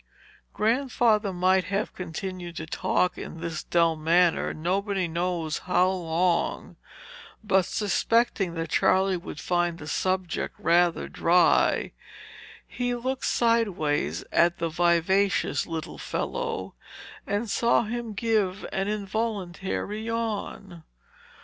Grandfather might have continued to talk in this dull manner, nobody knows how long; but, suspecting that Charley would find the subject rather dry, he looked sideways at that vivacious little fellow, and saw him give an involuntary yawn.